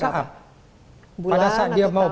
saat pada saat dia mau